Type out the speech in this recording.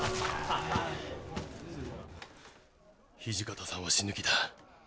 土方さんは死ぬ気だ。